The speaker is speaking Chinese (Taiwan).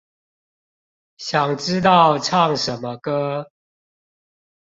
想知道唱什麼歌